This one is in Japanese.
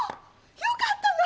よかったな！